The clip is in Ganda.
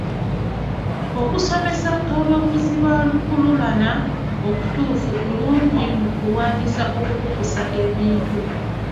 Okusomesa abavuzi ba lukululana okutuufu kulungi mu kulwanyisa okukukusa ebintu.